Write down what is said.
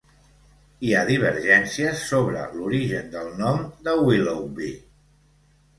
Hi ha divergències sobre l'origen del nom de Willoughby.